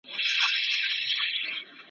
د دنیا، نه د عقبا سوم